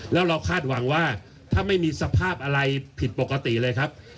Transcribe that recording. แล้วเราคาดหวังว่าถ้าไม่มีสภาพอะไรผิดปกติเลยครับ